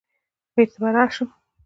بېرته به راشم